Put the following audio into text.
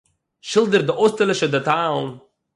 שילדערט די אויסטערלישע דעטאַלן